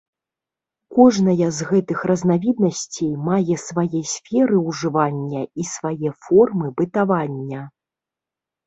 Кожная з гэтых разнавіднасцей мае свае сферы ўжывання і свае формы бытавання.